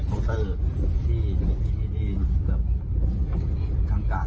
ที่ทางการได้โดดยึดจากลูกค้าไว้